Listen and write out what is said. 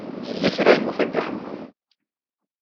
Yella kra i yufa Dda Ḥemmu.